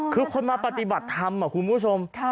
คือคนมาปฏิบัติธรรมคุณผู้ชม